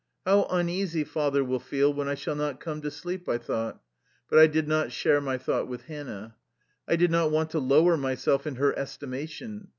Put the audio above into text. " How uneasy Father will feel when I shall not come to sleep," I thought, but I did not share my thought with Hannah. I did not want to lower myself in her estimation.